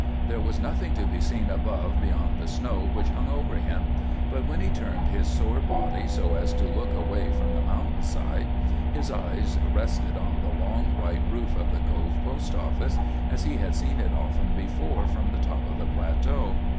There was nothing to be seen above beyond the snow which hung over him; but when he turned his sore body so as to look away from the mountain side, his eyes rested on the long white roof of the Cove post office, as he had seen it often before from the top of the plateau.